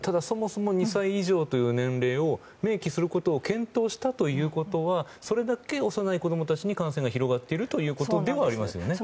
そもそも２歳以上という年齢の明記を検討したということはそれだけ幼い子供たちに感染が広がっているということではありますよね。